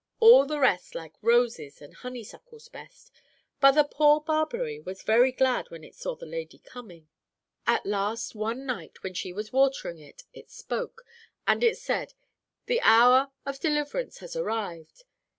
All the rest liked roses and honeysuckles best, and the poor barberry was very glad when it saw the lady coming. At last, one night, when she was watering it, it spoke, and it said, 'The hour of deliverance has arrived.